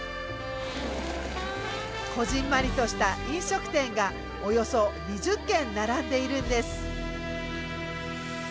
こぢんまりとした飲食店がおよそ２０軒並んでいるんです。